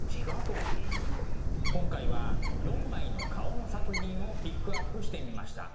今回は４枚の顔の作品をピックアップしてみました。